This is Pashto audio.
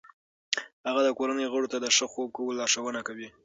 هغه د کورنۍ غړو ته د ښه خوب کولو لارښوونه کوي.